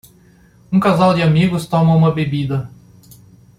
Um casal de amigos toma uma bebida